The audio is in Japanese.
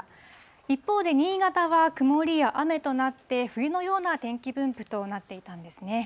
一方で、新潟は曇りや雨となって、冬のような天気分布となっていたんですね。